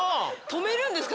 止めるんですか？